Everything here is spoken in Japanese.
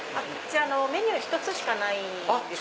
メニュー１つしかないんです。